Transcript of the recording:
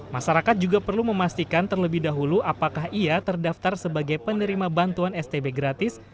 masyarakat juga perlu memastikan terlebih dahulu apakah ia terdaftar sebagai penerima bantuan stb gratis